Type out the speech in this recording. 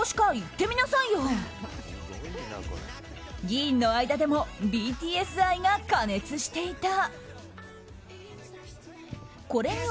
議員の間でもＢＴＳ愛が過熱していた。